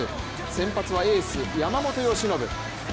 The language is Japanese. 先発は、エース・山本由伸。